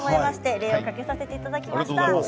レイをかけさせていただきました。